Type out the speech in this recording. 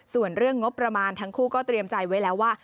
ส่วนเรื่องงบประมาณทั้งคู่ก็เตรียมใจไว้แล้วว่า